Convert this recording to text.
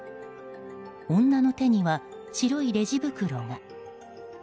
女の手には白いレジ袋が。